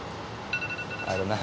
あるな。